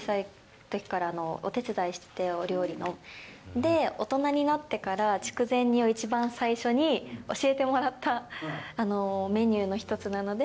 で、大人になってから筑前煮を一番最初に教えてもらったメニューの一つなので。